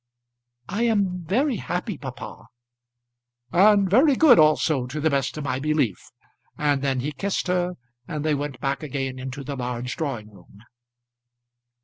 "I am very happy, papa." "And very good also to the best of my belief." And then he kissed her, and they went back again into the large drawing room.